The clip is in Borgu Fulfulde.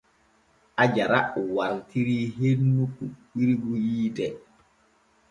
Aajara wartirii hennu kuɓɓirgu hiite.